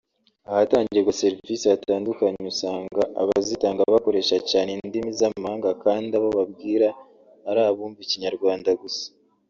Ahatangirwa serivisi hatandukanye usanga abazitanga bakoresha cyane indimi z’amahanga kandi abo babwira ari abumva Ikinyarwanda gusa